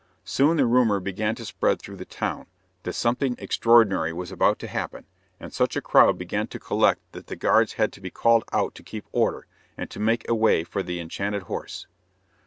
Soon the rumour began to spread through the town, that something extraordinary was about to happen, and such a crowd began to collect that the guards had to be called out to keep order, and to make a way for the enchanted horse.